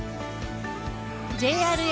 ＪＲＡ